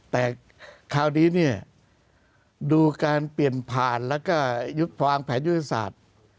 แต่คราวดีเนี่ยดูการเปลี่ยนผ่านแล้วก็ยุภาคแผนวิทยาลัยศาสตร์